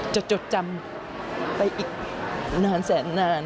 จดจำไปอีกนานแสนนาน